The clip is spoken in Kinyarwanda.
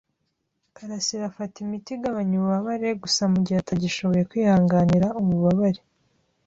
karasira afata imiti igabanya ububabare gusa mugihe atagishoboye kwihanganira ububabare.